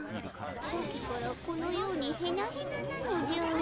さっきからこのようにヘナヘナなのじゃ。